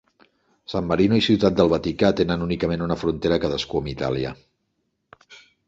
San Marino i Ciutat del Vaticà tenen únicament una frontera cadascú amb Itàlia.